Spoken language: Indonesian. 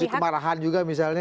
atau wujud kemarahan juga misalnya